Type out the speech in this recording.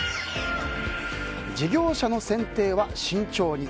事業者の選定は慎重に。